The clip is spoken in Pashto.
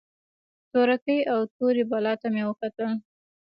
تورکي او تورې بلا ته مې وکتل.